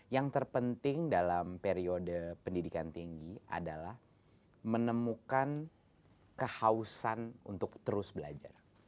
yang terpenting dalam periode pendidikan tinggi adalah menemukan kehausan untuk terus belajar